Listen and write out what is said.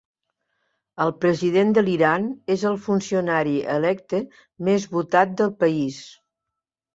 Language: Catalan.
El president de l"Iran és el funcionari electe més votat del país.